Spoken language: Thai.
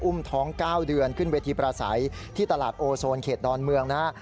ท้อง๙เดือนขึ้นเวทีประสัยที่ตลาดโอโซนเขตดอนเมืองนะฮะ